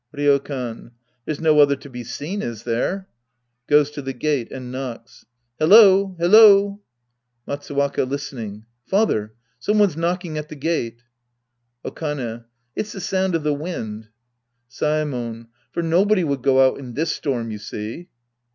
Ryokan. There's no other to be seen, is there ? (fioes to the gate and knocks!) Hello ! Hello ! Matsuwaka {listening). Father. Some one's knock ing at the gate. Okane. It's the sound of the wind. Saemon. For nobody would go out in this storm, you see.